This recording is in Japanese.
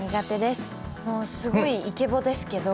すごいイケボですけど。